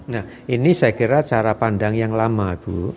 nah ini saya kira cara pandang yang lama bu